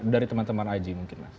dari teman teman aji mungkin mas